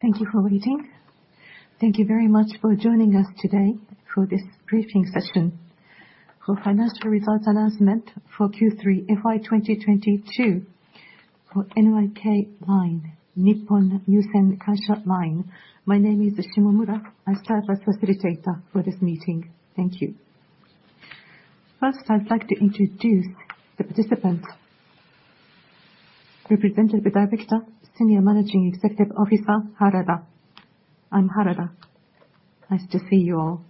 Thank you for waiting. Thank you very much for joining us today for this briefing session for financial results announcement for Q3 FY 2022 for NYK Line, Nippon Yusen Kabushiki Kaisha. My name is Shimomura. I serve as facilitator for this meeting. Thank you. First, I'd like to introduce the participants. Represented by Director Senior Managing Executive Officer Harada. I'm Harada. Nice to see you all.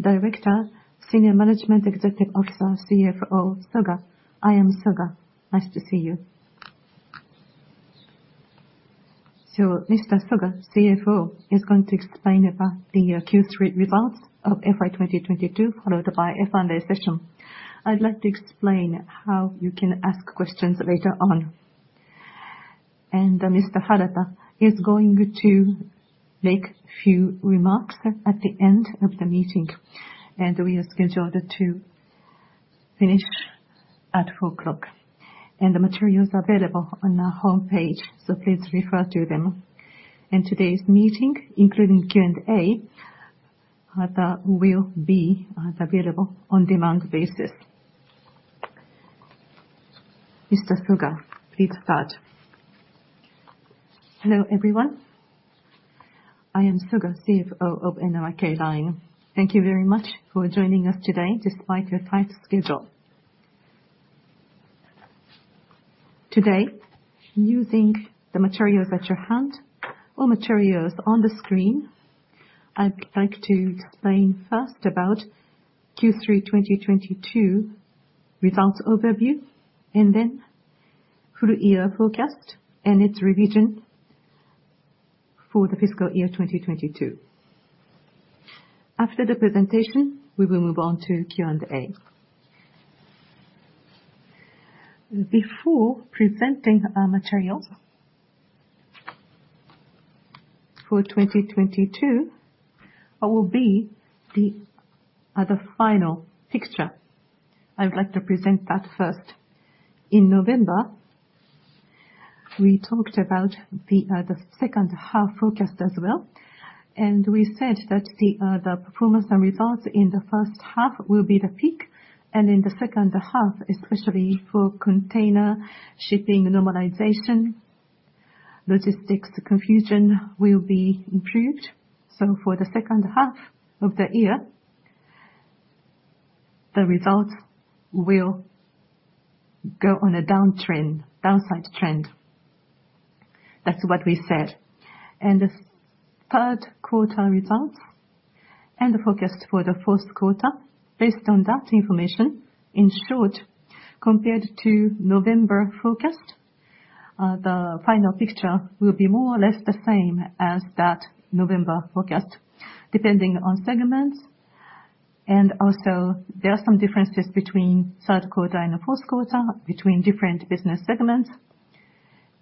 Director Senior Managing Executive Officer CFO Soga. I am Soga. Nice to see you. Mr. Soga, CFO, is going to explain about the Q3 results of FY 2022, followed by a Q&A session. I'd like to explain how you can ask questions later on. Mr. Harada is going to make few remarks at the end of the meeting. We are scheduled to finish at 4:00 P.M. The material's available on our homepage, so please refer to them. Today's meeting, including Q&A, will be available on demand basis. Mr. Soga, please start. Hello, everyone. I am Soga, CFO of NYK Line. Thank you very much for joining us today despite your tight schedule. Today, using the materials at your hand or materials on the screen, I'd like to explain first about Q3 2022 results overview and then full year forecast and its revision for the fiscal year 2022. After the presentation, we will move on to Q&A. Before presenting our materials for 2022, what will be the final picture, I'd like to present that first. In November, we talked about the second half forecast as well, and we said that the performance and results in the first half will be the peak. In the second half, especially for container shipping normalization, logistics confusion will be improved, for the second half of the year, the results will go on a downtrend, downside trend. That's what we said. The third quarter results and the forecast for the fourth quarter based on that information, in short, compared to November forecast, the final picture will be more or less the same as that November forecast, depending on segments. There are some differences between third quarter and the fourth quarter between different business segments.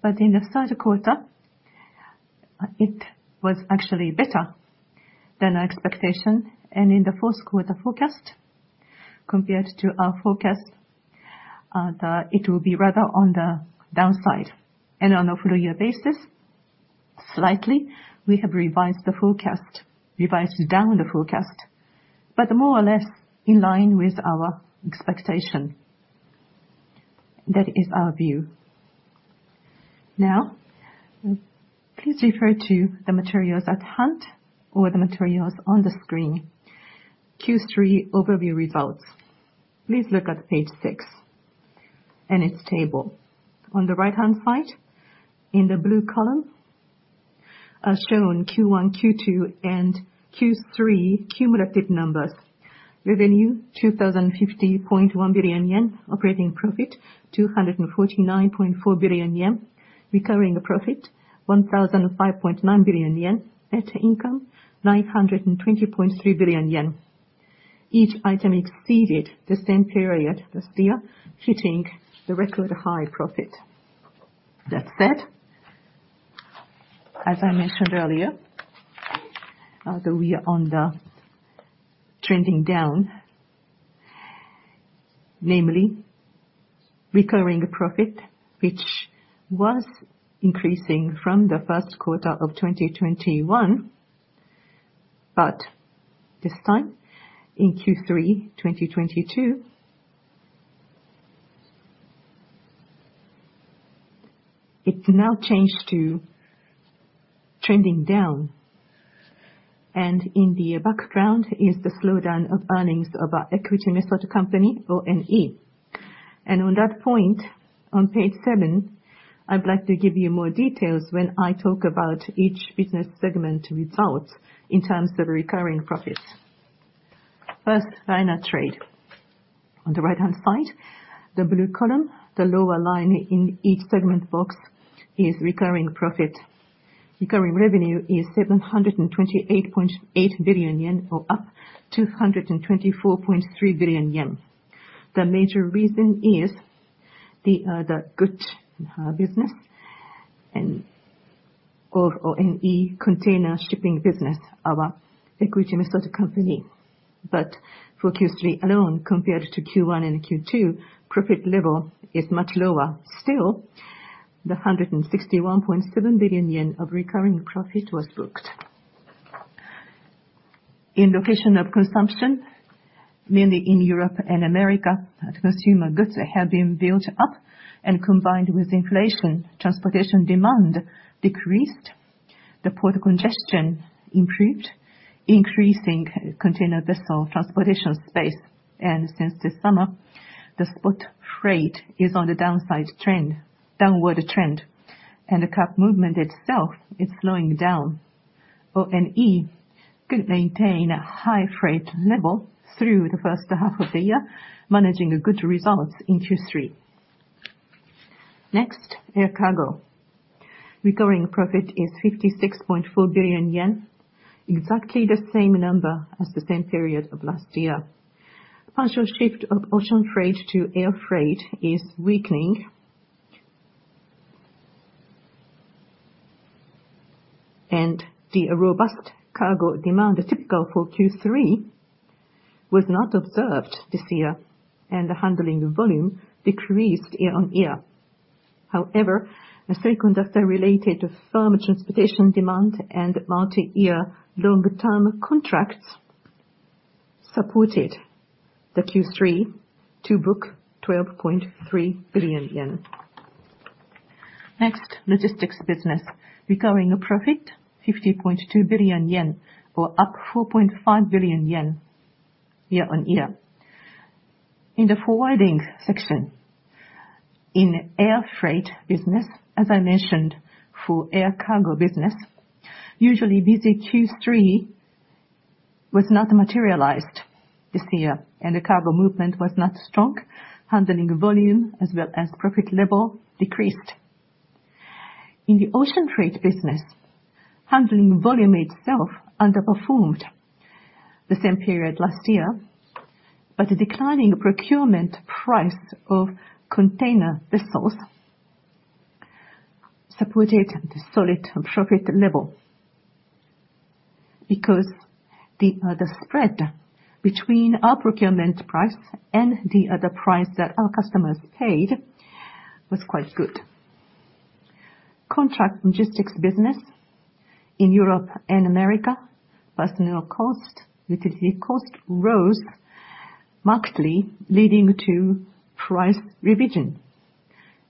In the third quarter, it was actually better than our expectation. In the fourth quarter forecast, compared to our forecast, it will be rather on the downside. On a full year basis, slightly, we have revised the forecast, revised down the forecast, more or less in line with our expectation. That is our view. Please refer to the materials at hand or the materials on the screen. Q3 overview results. Please look at page six and its table. On the right-hand side in the blue column are shown Q1, Q2, and Q3 cumulative numbers. Revenue, 2,050.1 billion yen. Operating profit, 249.4 billion yen. Recurring profit, 1,005.9 billion yen. Net income, 920.3 billion yen. Each item exceeded the same period last year, hitting the record high profit. That said, as I mentioned earlier, that we are on the trending down, namely recurring profit, which was increasing from the first quarter of 2021. This time in Q3 2022, it now changed to trending down, and in the background is the slowdown of earnings of our equity-method company, ONE. On that point, on page 7, I'd like to give you more details when I talk about each business segment results in terms of recurring profits. First, liner trade. On the right-hand side, the blue column, the lower line in each segment box is recurring profit. Recurring revenue is 728.8 billion yen or up 224.3 billion yen. The major reason is the good business of ONE container shipping business, our equity-method company. For Q3 alone, compared to Q1 and Q2, profit level is much lower. Still, 161.7 billion yen of recurring profit was booked. In location of consumption, mainly in Europe and America, as consumer goods have been built up and combined with inflation, transportation demand decreased. The port congestion improved, increasing container vessel transportation space. Since this summer, the spot rate is on the downside trend, downward trend, and the cap movement itself is slowing down. ONE could maintain a high freight level through the first half of the year, managing good results in Q3. Next, air cargo. Recurring profit is 56.4 billion yen, exactly the same number as the same period of last year. Partial shift of ocean freight to air freight is weakening. The robust cargo demand, typical for Q3, was not observed this year, and the handling volume decreased year-on-year. However, a freight contract related to firm transportation demand and multi-year longer-term contracts supported the Q3 to book 12.3 billion yen. Next, logistics business. Recurring profit 50.2 billion yen or up 4.5 billion yen year-on-year. In the forwarding section, in air freight business, as I mentioned for air cargo business, usually busy Q3 was not materialized this year. The cargo movement was not strong. Handling volume as well as profit level decreased. In the ocean freight business, handling volume itself underperformed the same period last year. The declining procurement price of container vessels supported the solid profit level because the spread between our procurement price and the other price that our customers paid was quite good. Contract logistics business in Europe and America, personal cost, utility cost rose markedly, leading to price revision.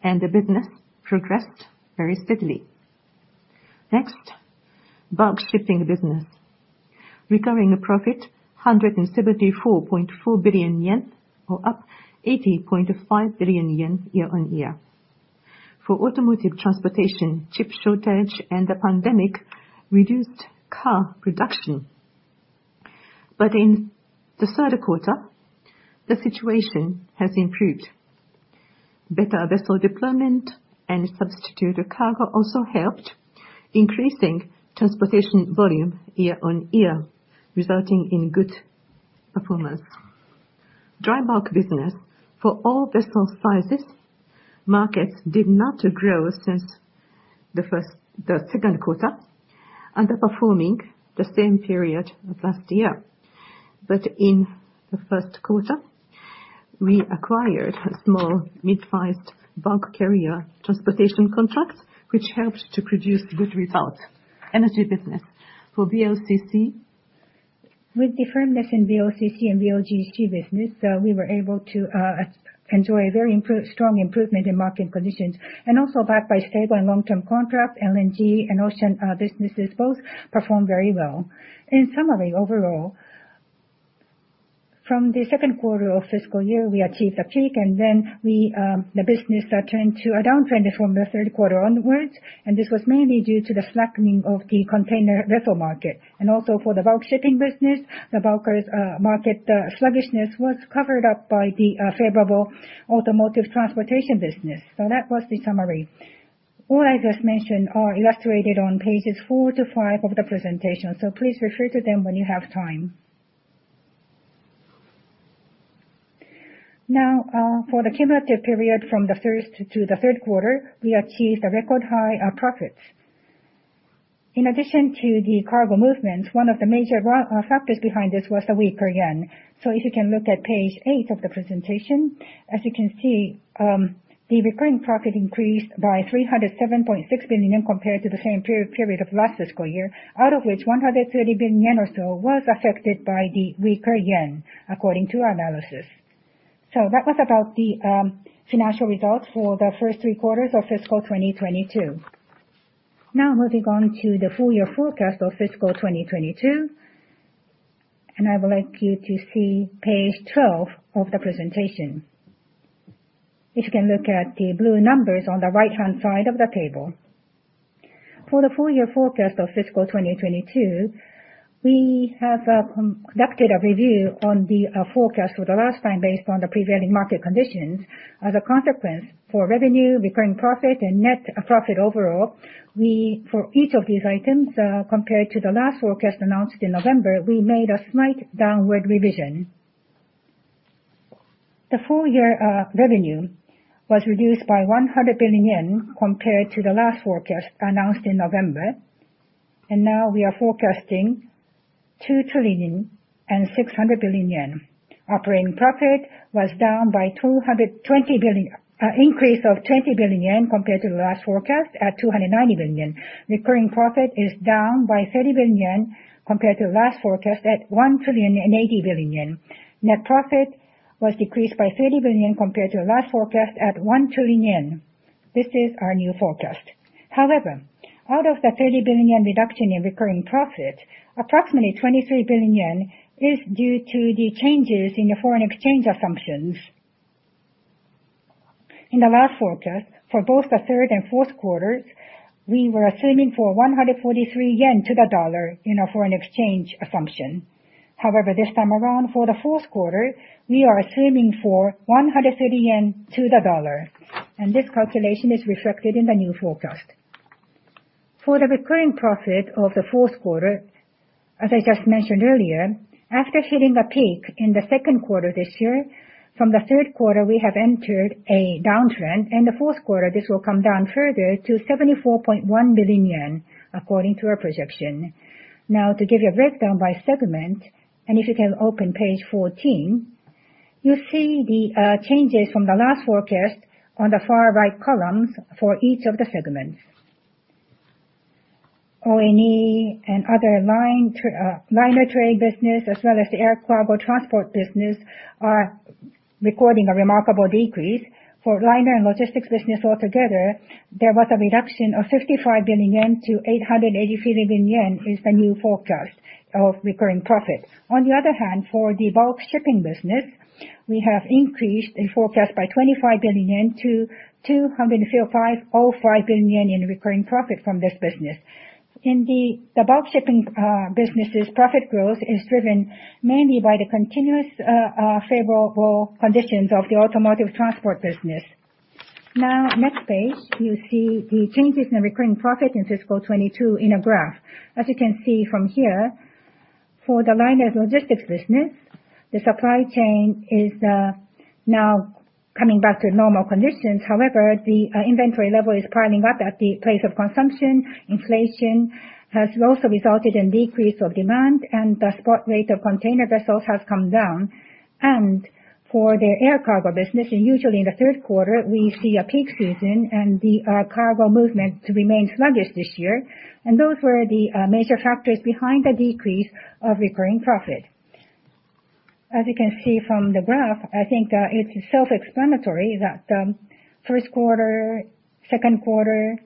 The business progressed very steadily. Next, bulk shipping business. Recurring profit 174.4 billion yen or up 80.5 billion yen year-on-year. For automotive transportation, chip shortage and the pandemic reduced car production. In the third quarter, the situation has improved. Better vessel deployment and substituted cargo also helped, increasing transportation volume year-on-year, resulting in good performance. Dry bulk business for all vessel sizes, markets did not grow since the second quarter, underperforming the same period of last year. In the first quarter, we acquired a small mid-sized bulk carrier transportation contract, which helped to produce good results. Energy business for BOCC. With the firmness in BOCC and BLGG business, we were able to enjoy a very strong improvement in market conditions. Also backed by stable and long-term contract, LNG and ocean businesses both performed very well. In summary, overall, from the second quarter of fiscal year, we achieved a peak, then we the business turned to a downtrend from the third quarter onwards, and this was mainly due to the slackening of the container vessel market. Also for the bulk shipping business, the bulkers market sluggishness was covered up by the favorable automotive transportation business. That was the summary. All I just mentioned are illustrated on pages four to five of the presentation, please refer to them when you have time. Now, for the cumulative period from the 1st to the 3rd quarter, we achieved a record high profits. In addition to the cargo movements, one of the major factors behind this was the weaker yen. If you can look at page 8 of the presentation, as you can see, the recurring profit increased by 307.6 billion yen compared to the same period of last fiscal year. Out of which 130 billion yen or so was affected by the weaker yen, according to our analysis. That was about the financial results for the 1st 3 quarters of fiscal 2022. Now moving on to the full year forecast of fiscal 2022, I would like you to see page 12 of the presentation. If you can look at the blue numbers on the right-hand side of the table. For the full year forecast of fiscal 2022, we have conducted a review on the forecast for the last time based on the prevailing market conditions. As a consequence for revenue, recurring profit, and net profit overall, we, for each of these items, compared to the last forecast announced in November, we made a slight downward revision. The full year revenue was reduced by 100 billion yen compared to the last forecast announced in November. Now we are forecasting 2,600 billion yen. Operating profit was increase of 20 billion yen compared to the last forecast, at 290 billion yen. Recurring profit is down by 30 billion yen compared to last forecast at 1,080 billion yen. Net profit was decreased by 30 billion yen compared to last forecast at 1 trillion yen. This is our new forecast. Out of the 30 billion yen reduction in recurring profit, approximately 23 billion yen is due to the changes in the foreign exchange assumptions. In the last forecast, for both the 3rd and 4th quarters, we were assuming for 143 yen to the dollar in our foreign exchange assumption. This time around, for the 4th quarter, we are assuming for 130 yen to the dollar, and this calculation is reflected in the new forecast. For the recurring profit of the fourth quarter, as I just mentioned earlier, after hitting a peak in the second quarter this year, from the third quarter we have entered a downtrend. In the fourth quarter, this will come down further to 74.1 billion yen, according to our projection. Now, to give you a breakdown by segment, and if you can open page 14, you see the changes from the last forecast on the far right columns for each of the segments. ONE and other liner trade business as well as the air cargo transport business are recording a remarkable decrease. For liner and logistics business altogether, there was a reduction of 55 billion-883 billion yen, is the new forecast of recurring profit. On the other hand, for the bulk shipping business, we have increased the forecast by 25 billion-235 billion yen in recurring profit from this business. The bulk shipping business's profit growth is driven mainly by the continuous favorable conditions of the automotive transport business. Next page, you see the changes in recurring profit in fiscal 2022 in a graph. As you can see from here, for the line of logistics business, the supply chain is now coming back to normal conditions. The inventory level is piling up at the place of consumption. Inflation has also resulted in decrease of demand, the spot rate of container vessels has come down. For the air cargo business, usually in the third quarter, we see a peak season and the cargo movement to remain sluggish this year. Those were the major factors behind the decrease of recurring profit. As you can see from the graph, I think it's self-explanatory that first quarter, second quarter,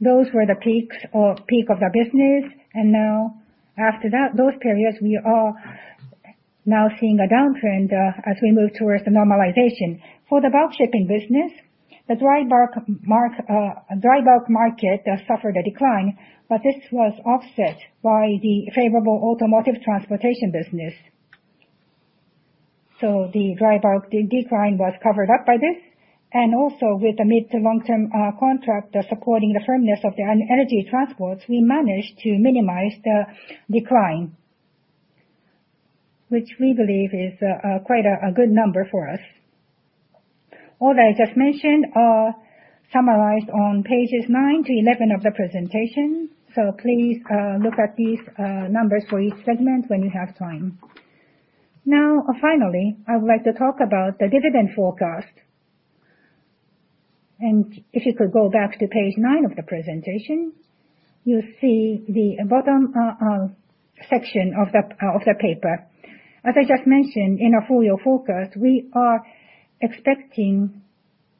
those were the peaks or peak of the business. Now after that, those periods, we are now seeing a downtrend as we move towards the normalization. For the bulk shipping business, the dry bulk market suffered a decline, but this was offset by the favorable automotive transportation business. The dry bulk decline was covered up by this, also with the mid-to long-term contract supporting the firmness of the energy transports, we managed to minimize the decline, which we believe is quite a good number for us. All that I just mentioned are summarized on pages 9-11 of the presentation, please look at these numbers for each segment when you have time. Finally, I would like to talk about the dividend forecast. If you could go back to page 9 of the presentation, you see the bottom section of the paper. As I just mentioned, in our full year forecast, we are expecting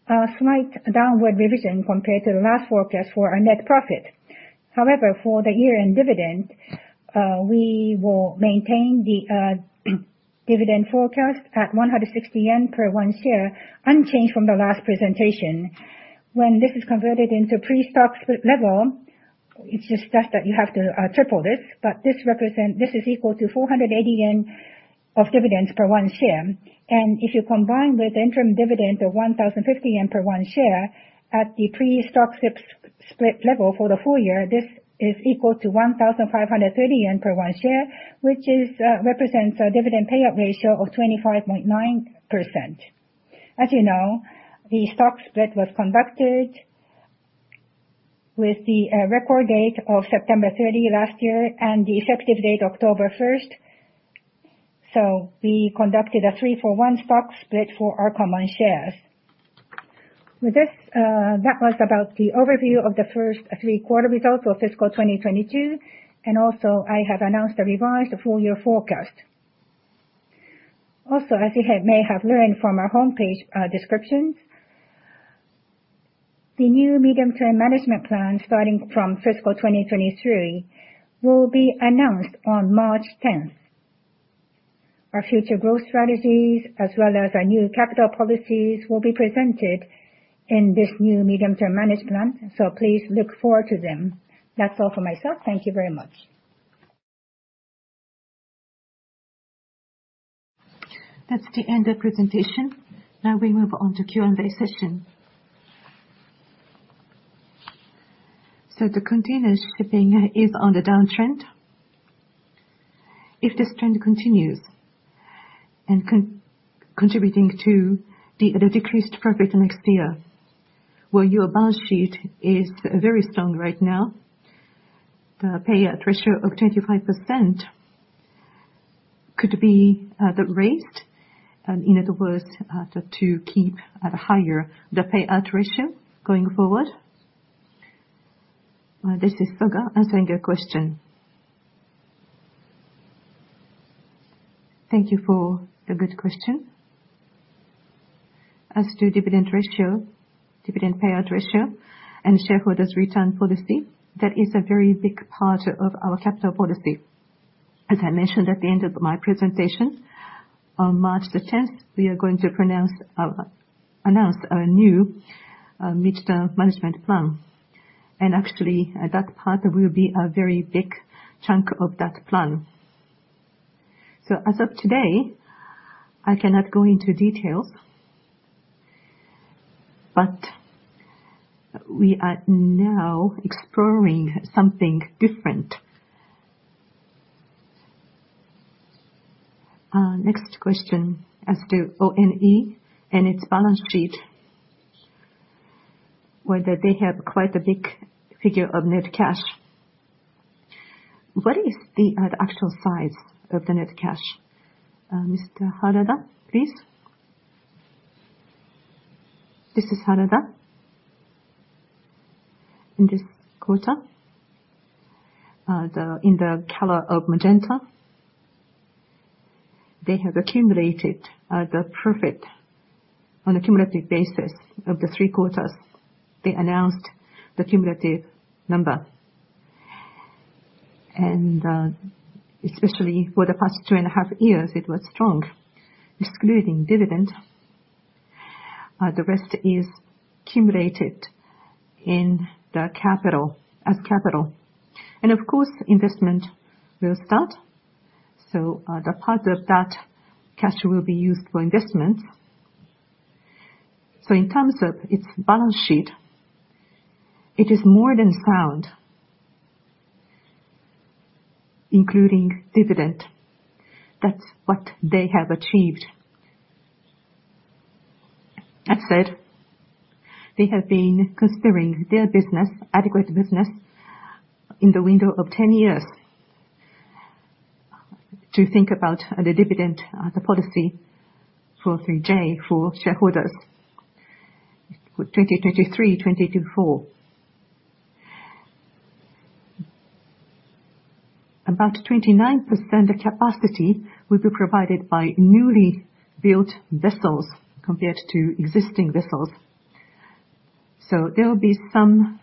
a slight downward revision compared to the last forecast for our net profit. For the year-end dividend, we will maintain the dividend forecast at 160 yen per 1 share, unchanged from the last presentation. When this is converted into pre-stock split level, it's just that you have to triple this, but this is equal to 480 yen of dividends per 1 share. If you combine with interim dividend of 1,050 yen per 1 share at the pre-stock split level for the full year, this is equal to 1,530 yen per 1 share, which represents a dividend payout ratio of 25.9%. As you know, the stock split was conducted with the record date of September 30 last year and the effective date October 1st. We conducted a 3-for-1 stock split for our common shares. With this, that was about the overview of the first 3 quarter results for fiscal 2022, and also I have announced a revised full year forecast. As you may have learned from our homepage descriptions, the new medium-term management plan starting from fiscal 2023 will be announced on March 10th. Our future growth strategies, as well as our new capital policies, will be presented in this new medium-term management plan. Please look forward to them. That's all for myself. Thank you very much. That's the end of presentation. We move on to Q&A session. The container shipping is on the downtrend. If this trend continues and contributing to the decreased profit next year, your balance sheet is very strong right now. The payout ratio of 25% could be the rate, in other words, to keep at a higher the payout ratio going forward. This is Soga answering your question. Thank you for the good question. As to dividend ratio, dividend payout ratio and shareholders' return policy, that is a very big part of our capital policy. As I mentioned at the end of my presentation, on March the 10th, we are going to announce our new medium-term management plan. Actually, that part will be a very big chunk of that plan. As of today, I cannot go into details, but we are now exploring something different. Next question, as to ONE and its balance sheet, whether they have quite a big figure of net cash. What is the actual size of the net cash? Mr. Harada, please. This is Harada. In this quarter, in the color of magenta, they have accumulated the profit on a cumulative basis of the three quarters. They announced the cumulative number. Especially for the past two and a half years, it was strong, excluding dividend. The rest is accumulated in the capital, as capital. Of course, investment will start. The part of that cash will be used for investment. In terms of its balance sheet, it is more than sound, including dividend. That's what they have achieved. That said, they have been considering their business, adequate business, in the window of 10 years to think about the dividend, the policy for 3J, for shareholders, with 2023, 2024. About 29% of capacity will be provided by newly built vessels compared to existing vessels. There will be some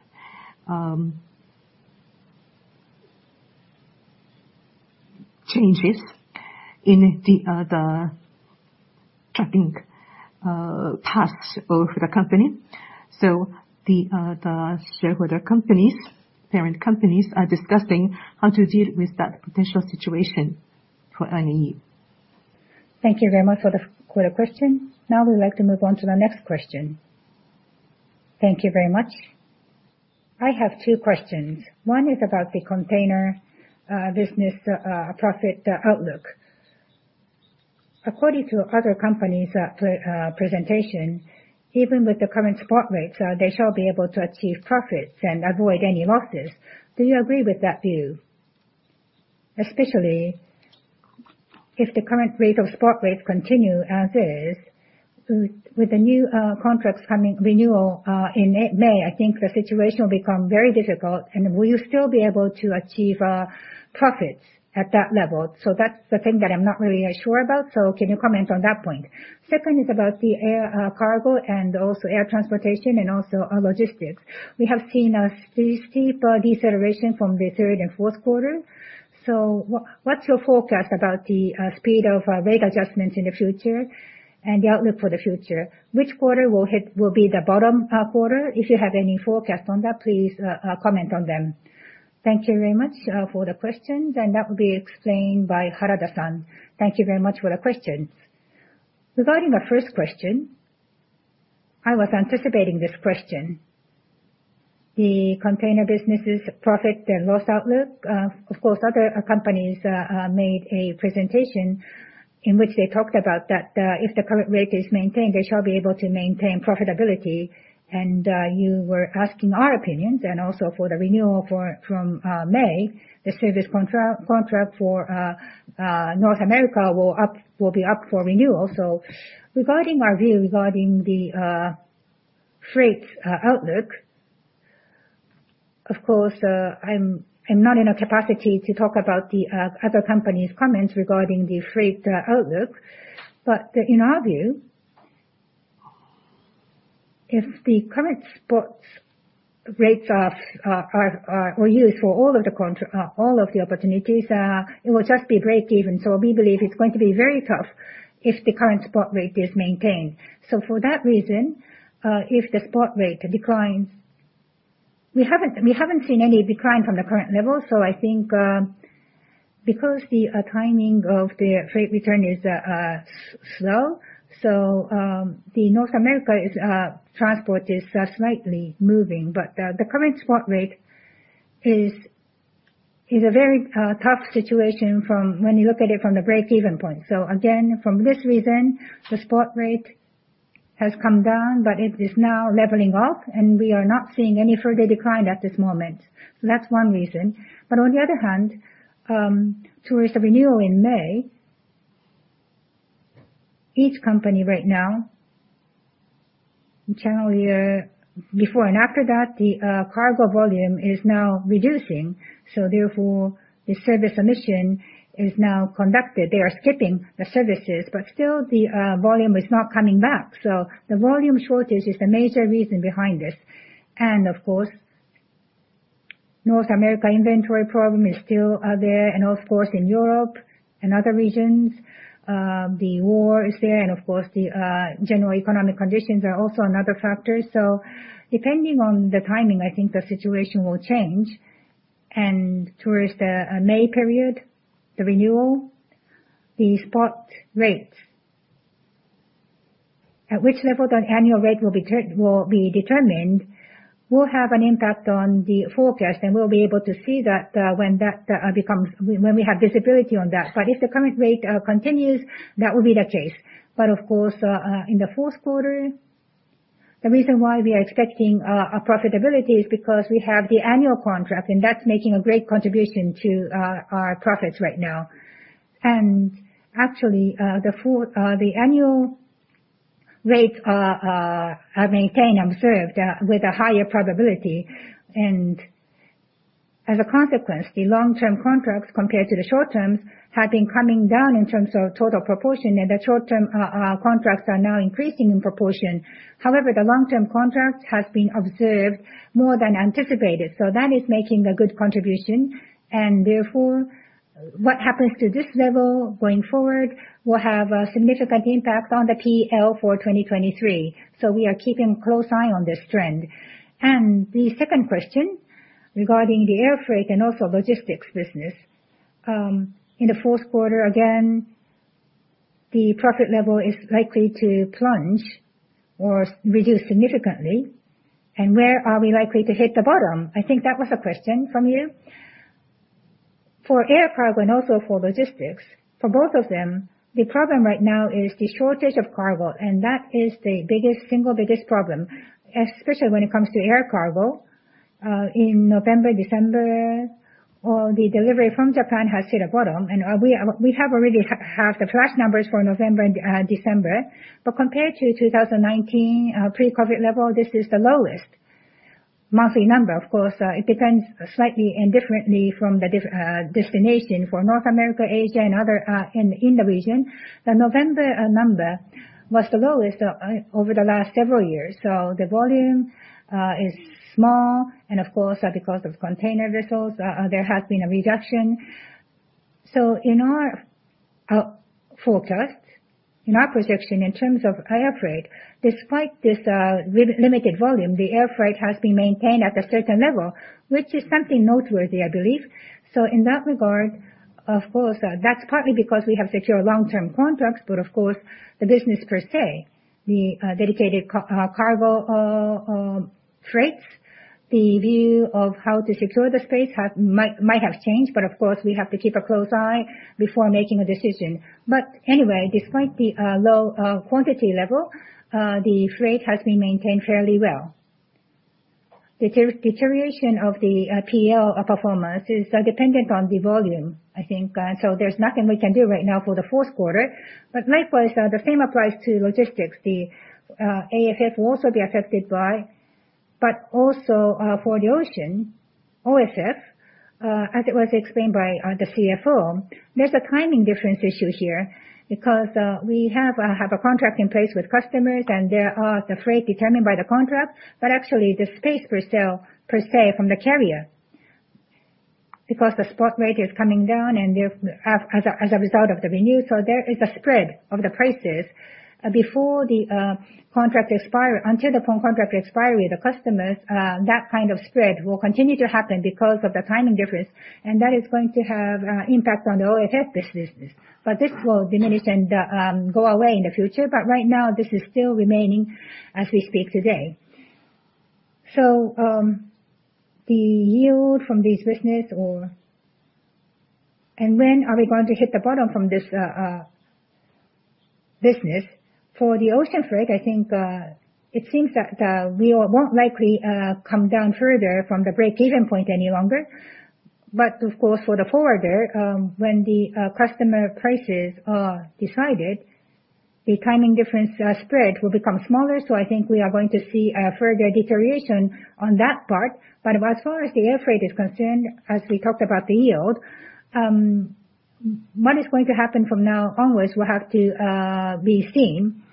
changes in the trapping paths of the company. The shareholder companies, parent companies, are discussing how to deal with that potential situation for ONE. Thank you very much for the question. We would like to move on to the next question. Thank you very much. I have 2 questions. One is about the container business profit outlook. According to other companies' presentation, even with the current spot rates, they shall be able to achieve profits and avoid any losses. Do you agree with that view? Especially if the current rate of spot rates continue as is, with the new contracts coming renewal, in May, I think the situation will become very difficult. Will you still be able to achieve profits at that level? That's the thing that I'm not really sure about, can you comment on that point? Second is about the air cargo and also air transportation and also logistics. We have seen a steep deceleration from the third and fourth quarter. What's your forecast about the speed of rate adjustments in the future and the outlook for the future? Which quarter will hit, will be the bottom quarter? If you have any forecast on that, please comment on them. Thank you very much for the questions, that will be explained by Harada-san. Thank you very much for the question. Regarding the first question, I was anticipating this question. The container business' profit and loss outlook, of course, other companies made a presentation in which they talked about that if the current rate is maintained, they shall be able to maintain profitability. You were asking our opinions and also for the renewal for, from May. The service contract for North America will be up for renewal. Regarding our view regarding the freight outlook, of course, I'm not in a capacity to talk about the other companies' comments regarding the freight outlook. In our view, if the current spot rates were used for all of the opportunities, it will just be break even. We believe it's going to be very tough if the current spot rate is maintained. For that reason, if the spot rate declines, we haven't seen any decline from the current level, so I think. Because the timing of the freight return is slow, the North America transport is slightly moving, but the current spot rate is a very tough situation from when you look at it from the breakeven point. Again, from this reason, the spot rate has come down, but it is now leveling off, and we are not seeing any further decline at this moment. That's one reason. On the other hand, towards the renewal in May, each company right now, generally, before and after that, the cargo volume is now reducing, so therefore the service omission is now conducted. They are skipping the services, but still the volume is not coming back. The volume shortage is the major reason behind this. Of course, North America inventory problem is still there and of course in Europe and other regions, the war is there and of course the general economic conditions are also another factor. Depending on the timing, I think the situation will change and towards the May period, the renewal, the spot rates. At which level the annual rate will be determined will have an impact on the forecast, and we'll be able to see that when that becomes when we have visibility on that. If the current rate continues, that will be the case. Of course, in the fourth quarter, the reason why we are expecting our profitability is because we have the annual contract and that's making a great contribution to our profits right now. Actually, the annual rates are maintained and observed with a higher probability. As a consequence, the long-term contracts compared to the short terms have been coming down in terms of total proportion, and the short-term contracts are now increasing in proportion. However, the long-term contracts has been observed more than anticipated, so that is making a good contribution. Therefore, what happens to this level going forward will have a significant impact on the PL for 2023. We are keeping close eye on this trend. The second question regarding the air freight and also logistics business. In the fourth quarter again, the profit level is likely to plunge or reduce significantly and where are we likely to hit the bottom? I think that was the question from you. For air cargo and also for logistics, for both of them, the problem right now is the shortage of cargo, and that is the biggest, single biggest problem, especially when it comes to air cargo. In November, December, or the delivery from Japan has hit a bottom and we have already have the flash numbers for November and December. Compared to 2019, pre-COVID level, this is the lowest monthly number. Of course, it depends slightly and differently from the destination. For North America, Asia and other in the region, the November number was the lowest over the last several years. The volume is small and of course, because of container vessels, there has been a reduction. In our forecast, in our projection in terms of air freight, despite this limited volume, the air freight has been maintained at a certain level, which is something noteworthy, I believe. In that regard, of course, that's partly because we have secure long-term contracts, but of course, the business per se, the dedicated cargo freights, the view of how to secure the space have might have changed, but of course we have to keep a close eye before making a decision. Anyway, despite the low quantity level, the freight has been maintained fairly well. The deterioration of the PL performance is dependent on the volume, I think. There's nothing we can do right now for the fourth quarter. Likewise, the same applies to logistics. The AFF will also be affected by, but also for the ocean, OSF, as it was explained by the CFO, there's a timing difference issue here because we have a contract in place with customers and there are the freight determined by the contract, but actually the space per se from the carrier, because the spot rate is coming down and there, as a result of the renewal. There is a spread of the prices before the contract expire. Until the contract expiry with the customers, that kind of spread will continue to happen because of the timing difference, and that is going to have impact on the OSF business. This will diminish and go away in the future. Right now this is still remaining as we speak today. The yield from this business and when are we going to hit the bottom from this business? For the ocean freight, I think it seems that we won't likely come down further from the breakeven point any longer. Of course for the forwarder, when the customer prices are decided, the timing difference spread will become smaller, so I think we are going to see a further deterioration on that part. As far as the air freight is concerned, as we talked about the yield, what is going to happen from now onwards will have to be seen.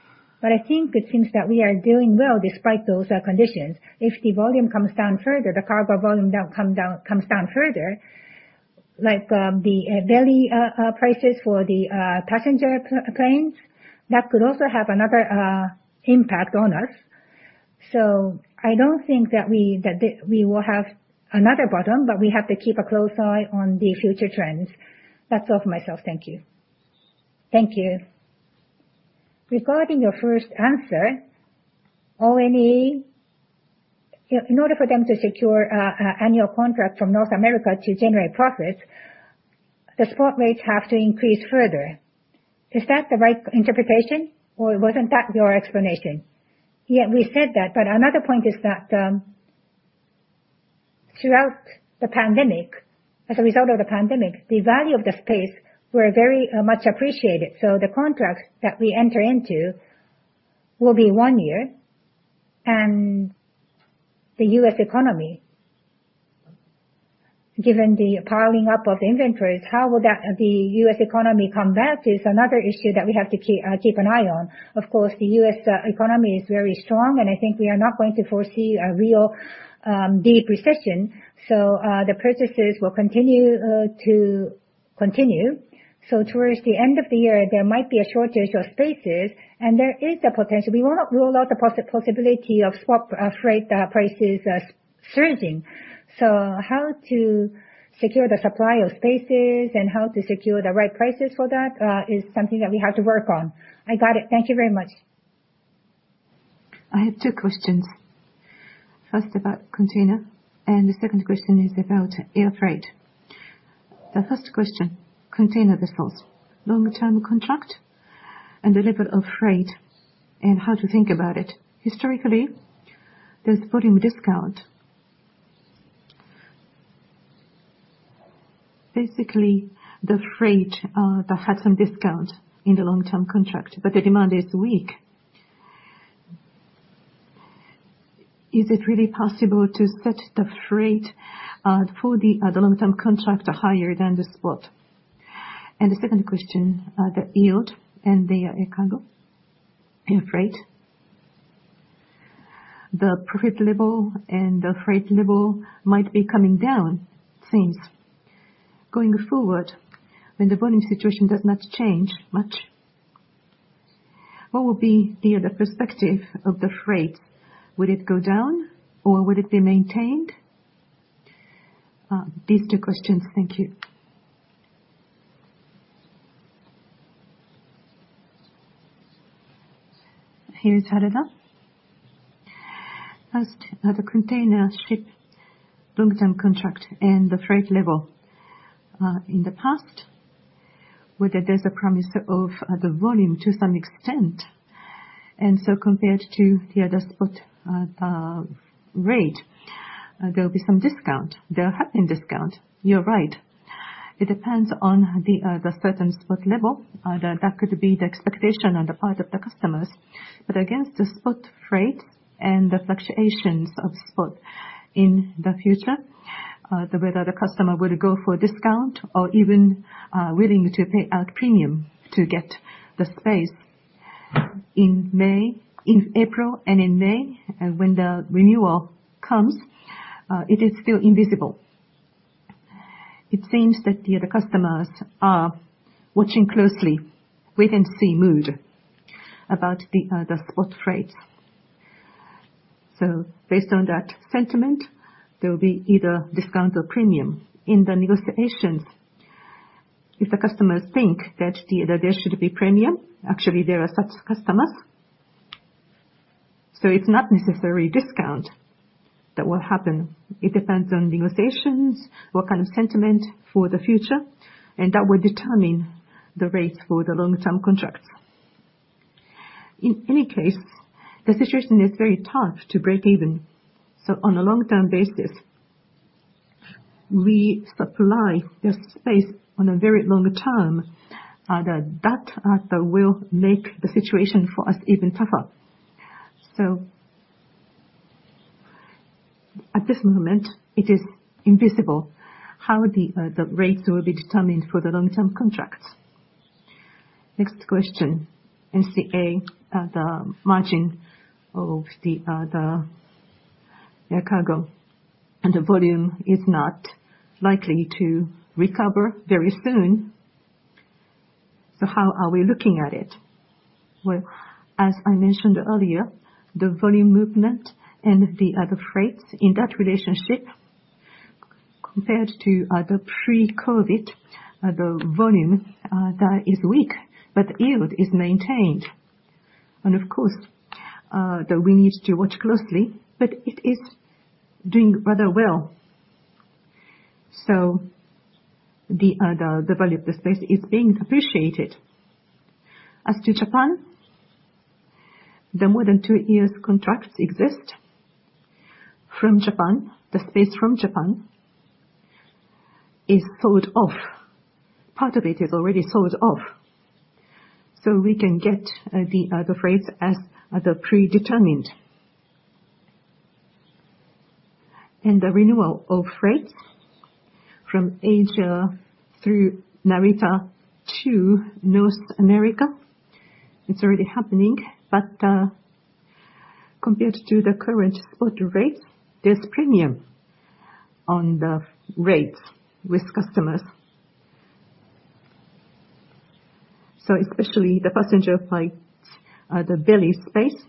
I think it seems that we are doing well despite those conditions. If the volume comes down further, the cargo volume comes down further, like, the belly prices for the passenger planes, that could also have another impact on us. I don't think that we will have another bottom, but we have to keep a close eye on the future trends. That's all for myself. Thank you. Thank you. Regarding your first answer, ONE, in order for them to secure annual contract from North America to generate profits, the spot rates have to increase further. Is that the right interpretation, or wasn't that your explanation? We said that, another point is that, throughout the pandemic, as a result of the pandemic, the value of the space were very much appreciated. The contracts that we enter into will be one year. The U.S. economy, given the piling up of inventories, how will that, the U.S. economy come back is another issue that we have to keep an eye on. Of course, the U.S. economy is very strong, I think we are not going to foresee a real deep recession. The purchases will continue to continue. Towards the end of the year, there might be a shortage of spaces, there is the potential. We will not rule out the possibility of spot freight prices surging. How to secure the supply of spaces and how to secure the right prices for that, is something that we have to work on. I got it. Thank you very much. I have two questions. First, about container, and the second question is about air freight. The first question, container business. Long-term contract and delivered of freight and how to think about it. Historically, there's volume discount. Basically, the freight that had some discount in the long-term contract, but the demand is weak. Is it really possible to set the freight for the long-term contract higher than the spot? The second question, the yield and the air cargo, air freight. The profit level and the freight level might be coming down since. Going forward, when the volume situation does not change much, what will be the perspective of the freight? Would it go down or would it be maintained? These two questions. Thank you. Here's Harada. First, the container ship long-term contract and the freight level. In the past, whether there's a promise of the volume to some extent, compared to the other spot rate, there will be some discount. There have been discount. You're right. It depends on the certain spot level. That could be the expectation on the part of the customers. Against the spot freight and the fluctuations of spot in the future, whether the customer would go for a discount or even willing to pay out premium to get the space in May, in April and in May, when the renewal comes, it is still invisible. It seems that the other customers are watching closely, wait-and-see mood about the spot freights. Based on that sentiment, there will be either discount or premium. In the negotiations, if the customers think that there should be premium, actually there are such customers, it's not necessarily discount that will happen. It depends on negotiations, what kind of sentiment for the future, that will determine the rates for the long-term contracts. In any case, the situation is very tough to break even. On a long-term basis, we supply the space on a very long term. That will make the situation for us even tougher. At this moment it is invisible how the rates will be determined for the long-term contracts. Next question, NCA, the margin of the air cargo, the volume is not likely to recover very soon. How are we looking at it? Well, as I mentioned earlier, the volume movement and the other freights in that relationship compared to the pre-COVID, the volume, that is weak, but yield is maintained. Of course, we need to watch closely, but it is doing rather well. The value of the space is being appreciated. As to Japan, the more than two years contracts exist from Japan. The space from Japan is sold off. Part of it is already sold off. We can get the freights as the predetermined. The renewal of freights from Asia through Narita to North America, it's already happening. Compared to the current spot rates, there's premium on the rates with customers. Especially the passenger flights, the belly space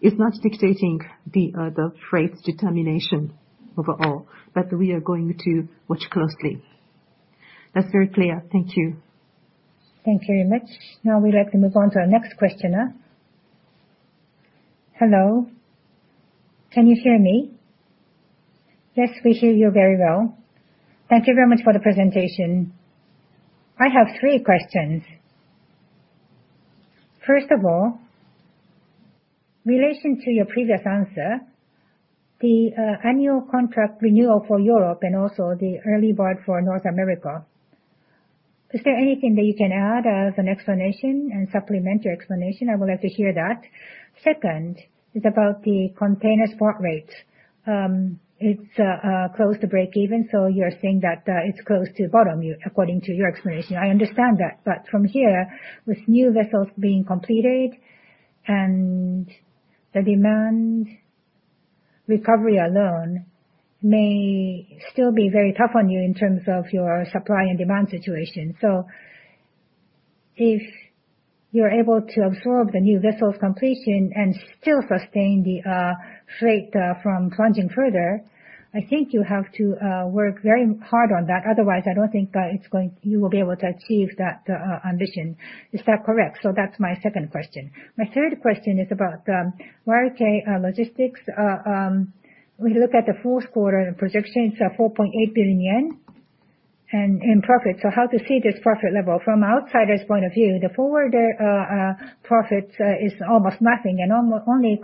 is not dictating the freight determination overall, but we are going to watch closely. That's very clear. Thank you. Thank you very much. Now we'd like to move on to our next questioner. Hello, can you hear me? Yes, we hear you very well. Thank you very much for the presentation. I have three questions. First of all, relation to your previous answer, the annual contract renewal for Europe and also the early bird for North America, is there anything that you can add as an explanation and supplementary explanation? I would like to hear that. Second is about the container spot rates. It's close to break even, so you're saying that it's close to bottom, you, according to your explanation. I understand that. From here, with new vessels being completed and the demand recovery alone may still be very tough on you in terms of your supply and demand situation. If you're able to absorb the new vessels completion and still sustain the freight from plunging further, I think you have to work very hard on that. Otherwise, I don't think you will be able to achieve that ambition. Is that correct? That's my second question. My third question is about Yusen Logistics. We look at the fourth quarter and projection, it's 4.8 billion yen and profit. How to see this profit level? From outsider's point of view, the forward, profit, is almost nothing and only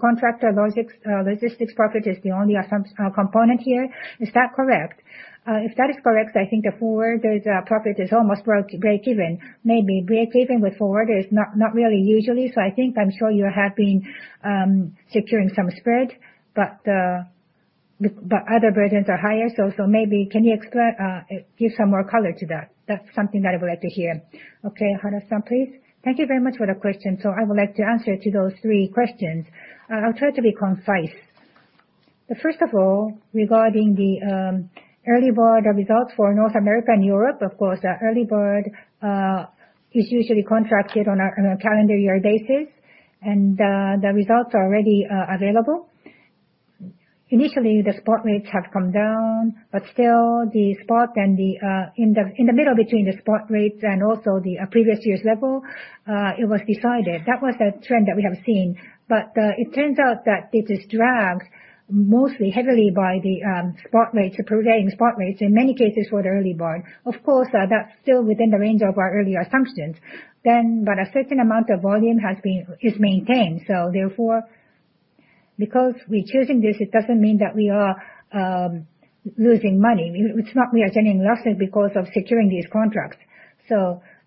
contract logistics profit is the only component here. Is that correct? If that is correct, I think the forward, profit is almost break even, maybe. Break even with forward is not really usually. I think I'm sure you have been securing some spread, but other burdens are higher. Maybe can you give some more color to that? That's something that I would like to hear. Harada-san, please. Thank you very much for the question. I would like to answer to those three questions. I'll try to be concise. First of all, regarding the early bird results for North America and Europe, of course, the early bird is usually contracted on a calendar year basis, and the results are already available. Initially, the spot rates have come down, but still the spot and in the middle between the spot rates and also the previous year's level, it was decided. That was the trend that we have seen. It turns out that it is dragged mostly heavily by the spot rates, the prevailing spot rates in many cases for the early bird. Of course, that's still within the range of our early assumptions then, but a certain amount of volume is maintained. Therefore, because we're choosing this, it doesn't mean that we are losing money. It's not we are generating losses because of securing these contracts.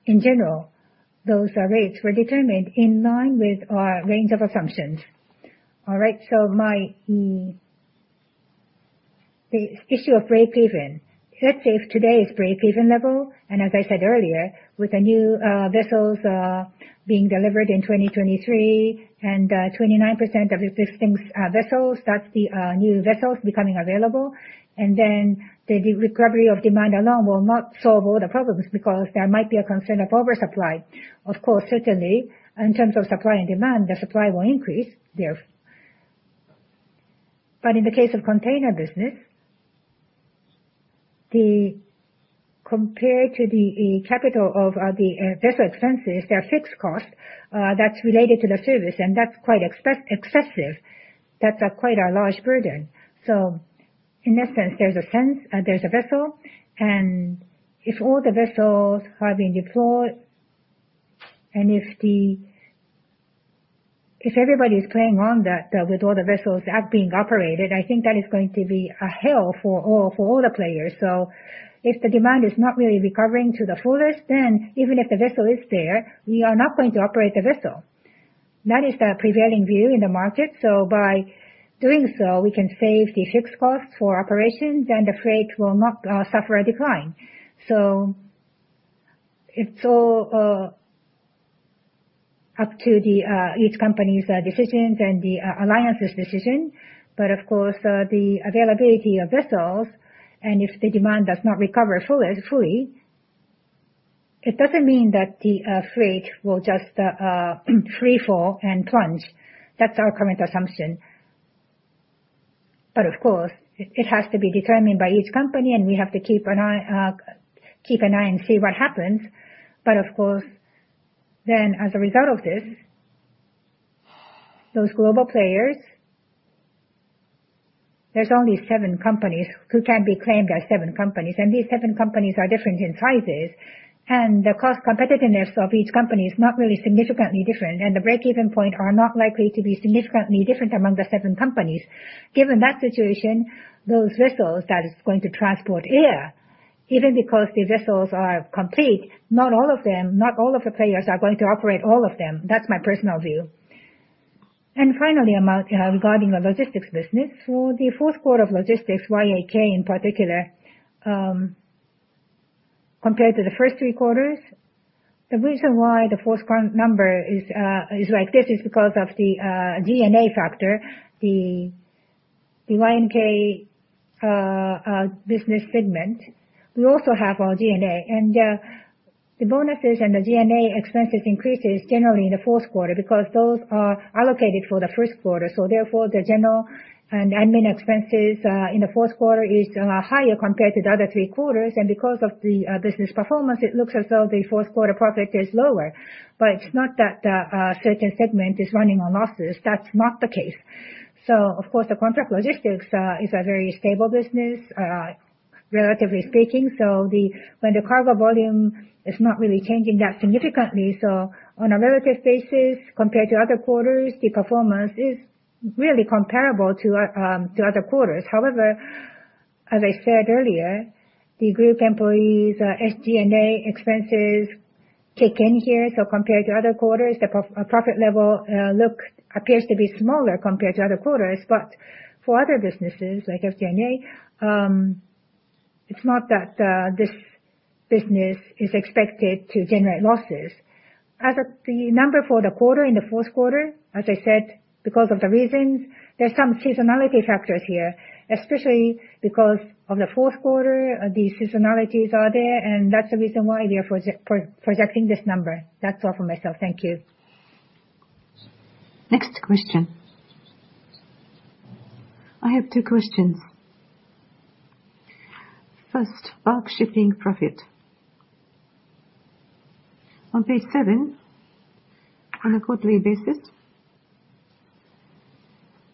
In general, those rates were determined in line with our range of assumptions. All right, my, the issue of break even, let's say if today is break even level, and as I said earlier, with the new vessels being delivered in 2023 and 29% of existing vessels, that's the new vessels becoming available. Then the de-recovery of demand alone will not solve all the problems because there might be a concern of oversupply. Of course, certainly, in terms of supply and demand, the supply will increase there. In the case of container business, compared to the capital of the vessel expenses, their fixed cost that's related to the service, and that's quite excessive. That's quite a large burden. In that sense, there's a sense, there's a vessel, and if all the vessels have been deployed and if everybody is playing on that, with all the vessels are being operated, I think that is going to be a hell for all the players. If the demand is not really recovering to the fullest, then even if the vessel is there, we are not going to operate the vessel. That is the prevailing view in the market. By doing so, we can save the fixed costs for operations, and the freight will not suffer a decline. It's all up to each company's decisions and the alliance's decision. Of course, the availability of vessels and if the demand does not recover fullest, fully, it doesn't mean that the freight will just free fall and plunge. That's our current assumption. Of course, it has to be determined by each company, and we have to keep an eye and see what happens. Of course, then as a result of this, those global players, there's only seven companies who can be claimed as seven companies, and these seven companies are different in sizes. The cost competitiveness of each company is not really significantly different, and the break-even point are not likely to be significantly different among the seven companies. Given that situation, those vessels that is going to transport air, even because the vessels are complete, not all of them, not all of the players are going to operate all of them. That's my personal view. Finally, regarding the logistics business, for the fourth quarter of logistics, Yusen Logistics in particular, compared to the first three quarters, the reason why the fourth quarter number is like this is because of the DNA factor. The The NYK business segment, we also have our G&A, and the bonuses and the G&A expenses increases generally in the fourth quarter because those are allocated for the first quarter. Therefore, the General and Administrative expenses in the fourth quarter is higher compared to the other three quarters. Because of the business performance, it looks as though the fourth quarter profit is lower. It's not that a certain segment is running on losses. That's not the case. Of course, the contract logistics is a very stable business, relatively speaking. When the cargo volume is not really changing that significantly, on a relative basis compared to other quarters, the performance is really comparable to other quarters. As I said earlier, the group employees, SG&A expenses kick in here, compared to other quarters, the profit level appears to be smaller compared to other quarters. For other businesses like SG&A, it's not that this business is expected to generate losses. The number for the quarter, in the fourth quarter, as I said, because of the reasons, there are some seasonality factors here, especially because of the fourth quarter, the seasonalities are there, that's the reason why we are projecting this number. That's all for myself. Thank you. Next question. I have two questions. First, bulk shipping profit. On page 7, on a quarterly basis,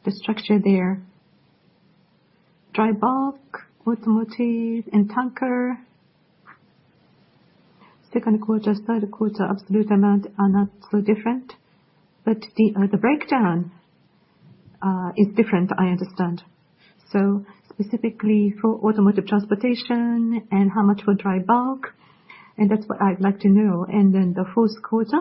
the structure there, dry bulk, automotive, and tanker. Second quarter, third quarter, absolute amount are not so different, the breakdown is different, I understand. Specifically for automotive transportation and how much for dry bulk, that's what I'd like to know. The fourth quarter,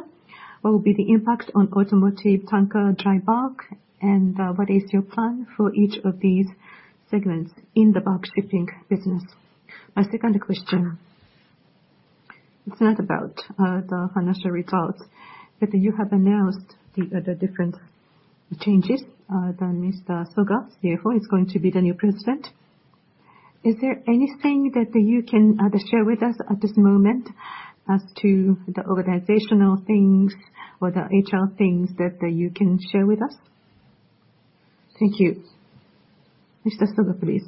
what will be the impact on automotive, tanker, dry bulk, and what is your plan for each of these segments in the bulk shipping business? My second question, it's not about the financial results, but you have announced the different changes that Mr. Soga, CFO, is going to be the new President. Is there anything that you can share with us at this moment as to the organizational things or the HR things that you can share with us? Thank you. Mr. Soga, please.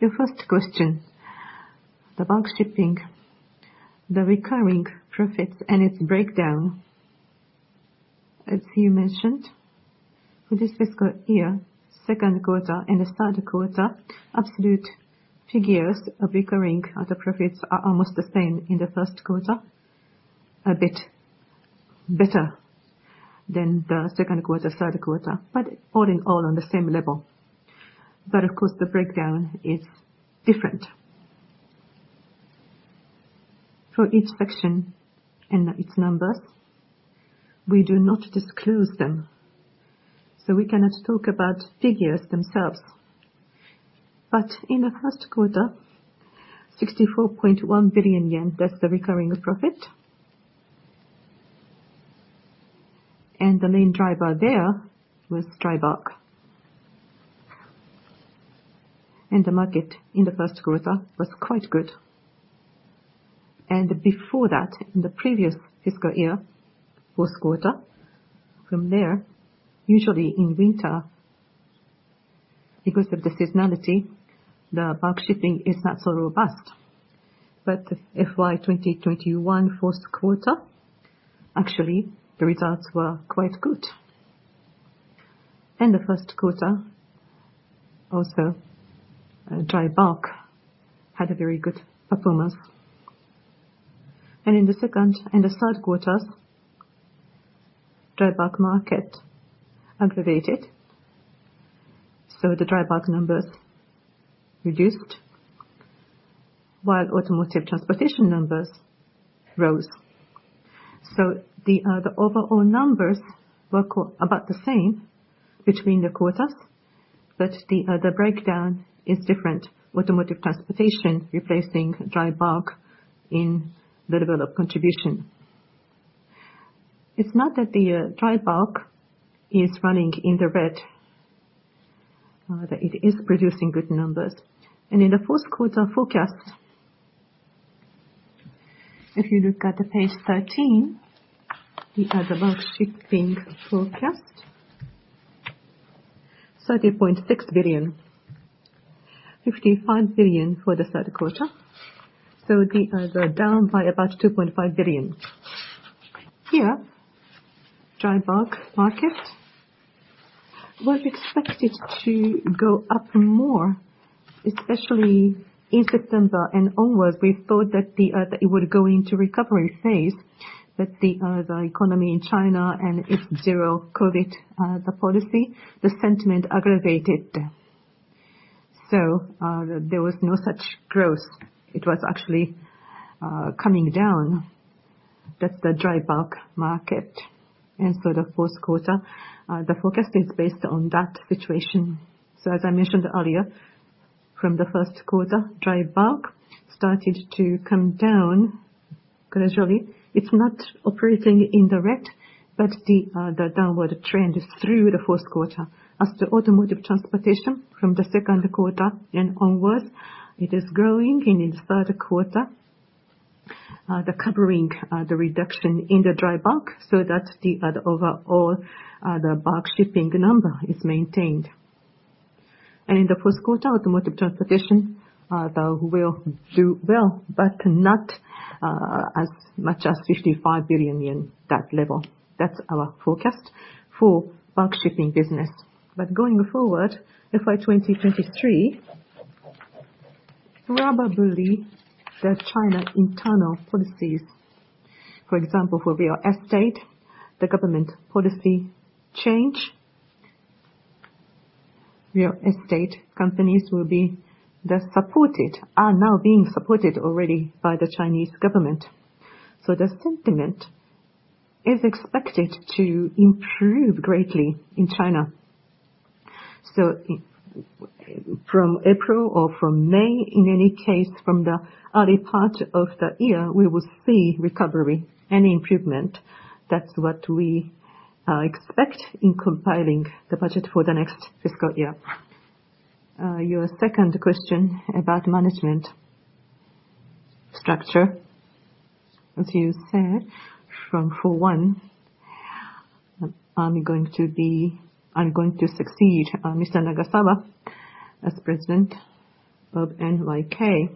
Your first question, the bulk shipping, the recurring profits and its breakdown. As you mentioned, for this fiscal year, second quarter and the third quarter, absolute figures of recurring other profits are almost the same in the first quarter, a bit better than the second quarter, third quarter. All in all, on the same level. Of course, the breakdown is different. For each section and its numbers, we do not disclose them, so we cannot talk about figures themselves. In the first quarter, 64.1 billion yen, that's the recurring profit. The main driver there was dry bulk. The market in the first quarter was quite good. Before that, in the previous fiscal year, fourth quarter, from there, usually in winter, because of the seasonality, the bulk shipping is not so robust. FY 2021 fourth quarter, actually, the results were quite good. In the first quarter, also, dry bulk had a very good performance. In the second and the third quarters, dry bulk market aggravated, so the dry bulk numbers reduced, while automotive transportation numbers rose. The overall numbers were about the same between the quarters, but the breakdown is different. Automotive transportation replacing dry bulk in the developed contribution. It's not that the dry bulk is running in the red, that it is producing good numbers. In the fourth quarter forecast, if you look at the page 13, we have the bulk shipping forecast, 30.6 billion. 55 billion for the third quarter. They're down by about 2.5 billion. Here, dry bulk market was expected to go up more, especially in September and onwards. We thought that it would go into recovery phase. The economy in China and its zero-COVID policy, the sentiment aggravated. There was no such growth. It was actually coming down. That's the dry bulk market. The fourth quarter forecast is based on that situation. As I mentioned earlier. From the first quarter, dry bulk started to come down gradually. It's not operating in the red, but the downward trend is through the fourth quarter. As to automotive transportation from the second quarter and onwards, it is growing in its third quarter, the covering, the reduction in the dry bulk, so that the overall bulk shipping number is maintained. In the first quarter, automotive transportation, though will do well, but not as much as 55 billion yen, that level. That's our forecast for bulk shipping business. Going forward, FY 2023, probably the China internal policies, for example, for real estate, the government policy change. Real estate companies are now being supported already by the Chinese government. The sentiment is expected to improve greatly in China. From April or from May, in any case, from the early part of the year, we will see recovery and improvement. That's what we expect in compiling the budget for the next fiscal year. Your second question about management structure. As you said, from full one, I'm going to succeed Mr. Nagasawa as President of NYK.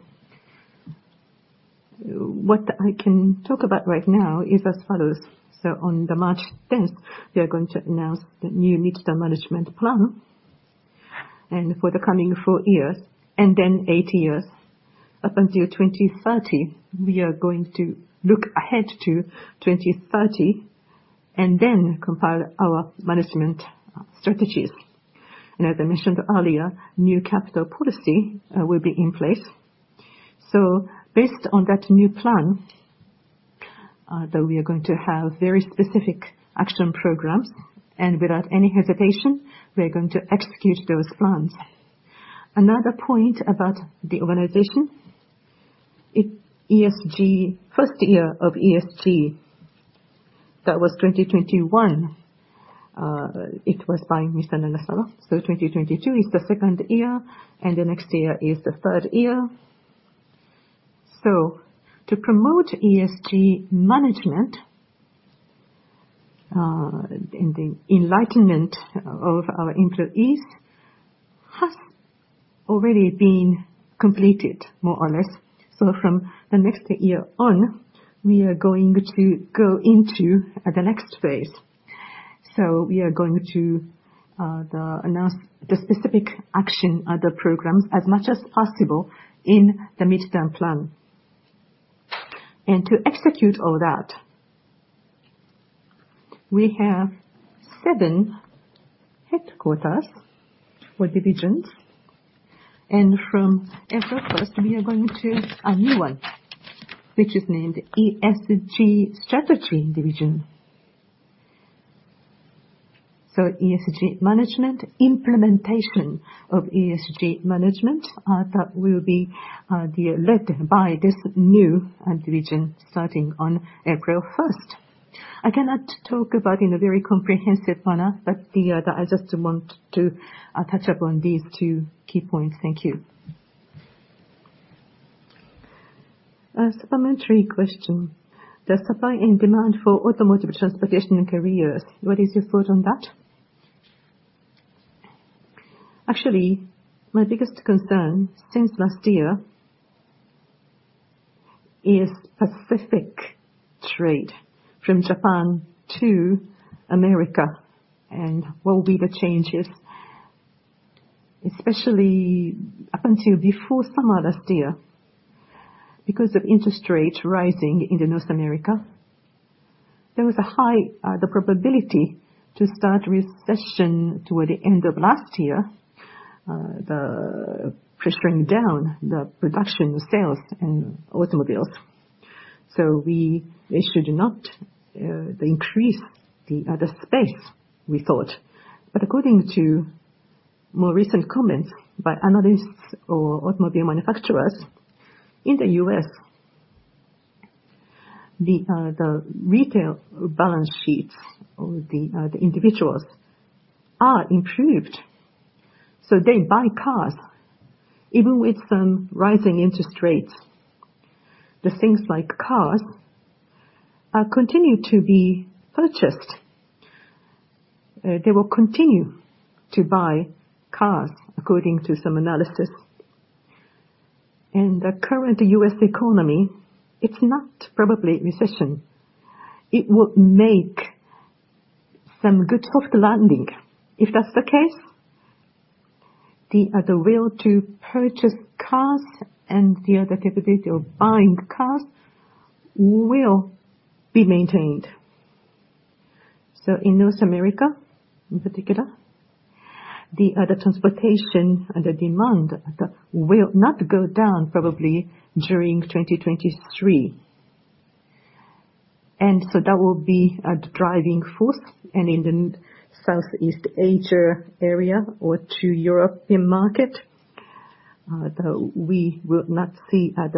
What I can talk about right now is as follows. On March 10th, we are going to announce the new Midterm Management Plan. For the coming 4 years and 8 years, up until 2030, we are going to look ahead to 2030 and compile our management strategies. As I mentioned earlier, new capital policy will be in place. Based on that new plan, though we are going to have very specific action programs, and without any hesitation, we are going to execute those plans. Another point about the organization, ESG, first year of ESG, that was 2021, it was by Mr. Nagasawa. 2022 is the second year, and the next year is the third year. To promote ESG management, in the enlightenment of our employees has already been completed, more or less. From the next year on, we are going to go into the next phase. We are going to announce the specific action, the programs as much as possible in the midterm plan. To execute all that, we have seven headquarters or divisions. From April first, we are going to a new one, which is named ESG Strategy Division. ESG management, implementation of ESG management, that will be led by this new division starting on April first. I cannot talk about in a very comprehensive manner, I just want to touch upon these two key points. Thank you. A supplementary question. The supply and demand for automotive transportation and careers, what is your thought on that? Actually, my biggest concern since last year is Pacific trade from Japan to America, and what will be the changes, especially up until before summer last year. Because of interest rates rising in the North America, there was a high, the probability to start recession toward the end of last year. The pushing down the production sales in automobiles. We basically do not increase the space we thought. According to more recent comments by analysts or automobile manufacturers, in the U.S., the retail balance sheets or the individuals are improved, so they buy cars even with some rising interest rates. The things like cars are continuing to be purchased. They will continue to buy cars according to some analysis. The current U.S. economy, it's not probably recession. It would make some good soft landing. If that's the case, the will to purchase cars and the capability of buying cars will be maintained. In North America, in particular, the transportation and the demand will not go down probably during 2023. That will be a driving force, and in the Southeast Asia area or to European market, though we will not see bad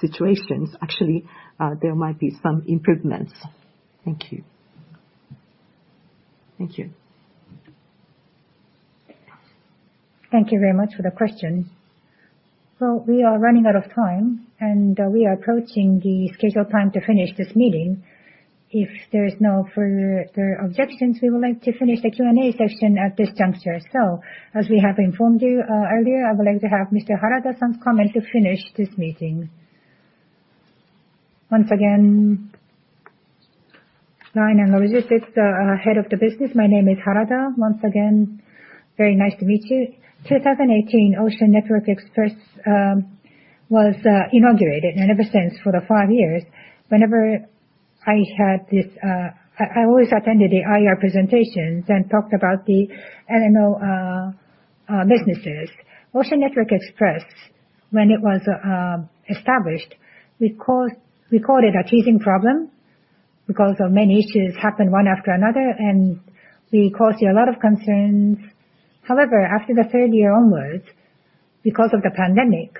situations. Actually, there might be some improvements. Thank you. Thank you. Thank you very much for the question. We are running out of time, and we are approaching the scheduled time to finish this meeting. If there's no further objections, we would like to finish the Q&A session at this juncture. As we have informed you, earlier, I would like to have Mr. Harada's comment to finish this meeting. Once again, ONE and logistics, head of the business. My name is Harada. Once again, very nice to meet you. 2018, Ocean Network Express was inaugurated, and ever since, for the five years, whenever I had this, I always attended the IR presentations and talked about the LNG businesses. Ocean Network Express, when it was established, we called it a teasing problem because of many issues happened one after another and we caused you a lot of concerns. After the third year onwards, because of the pandemic,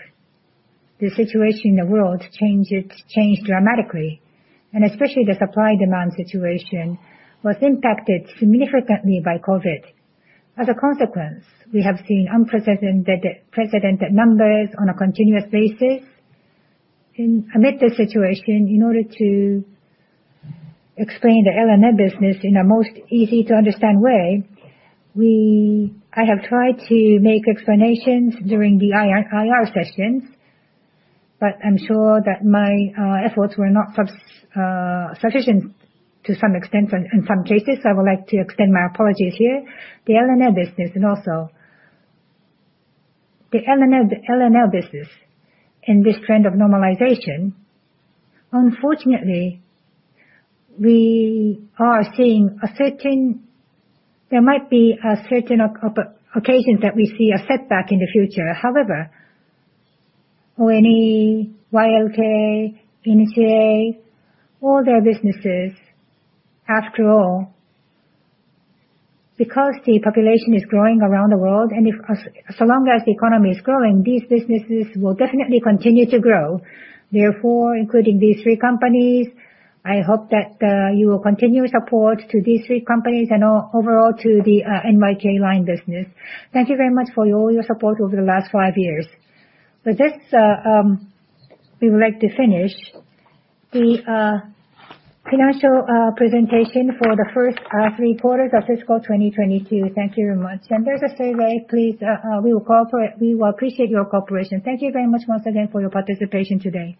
the situation in the world changed dramatically, and especially the supply-demand situation was impacted significantly by COVID. As a consequence, we have seen unprecedented numbers on a continuous basis. Amid this situation, in order to explain the ONE business in a most easy to understand way, I have tried to make explanations during the IR sessions, but I'm sure that my efforts were not sufficient to some extent and in some cases, I would like to extend my apologies here. The LNE business and also the LNE, LNO business in this trend of normalization, unfortunately we are seeing a certain occasions that we see a setback in the future. ONE, YLK, NCA, all their businesses after all, because the population is growing around the world, and so long as the economy is growing, these businesses will definitely continue to grow. Including these three companies, I hope that you will continue support to these three companies and overall to the NYK Line business. Thank you very much for all your support over the last five years. With this, we would like to finish the financial presentation for the first three quarters of fiscal 2022. Thank you very much. There's a survey, please, we will call for it. We will appreciate your cooperation. Thank you very much once again for your participation today.